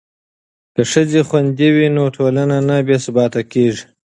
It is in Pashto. که ښځې خوندي وي نو ټولنه نه بې ثباته کیږي.